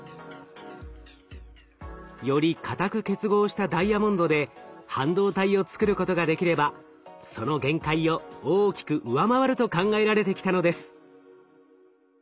より硬く結合したダイヤモンドで半導体をつくることができればその限界を大きく上回ると考えられてきたのです。